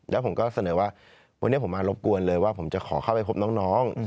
แล้วผมก็เสนอว่าวันนี้ผมมารบกวนเลยว่าผมจะขอเข้าไปพบน้อง